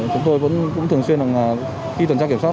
chúng tôi vẫn thường xuyên khi tuần tra kiểm soát